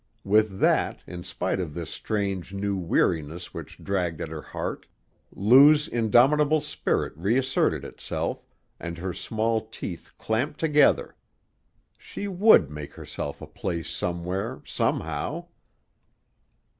With that, in spite of this strange, new weariness which dragged at her heart, Lou's indomitable spirit reasserted itself, and her small teeth clamped together. She would make herself a place somewhere, somehow.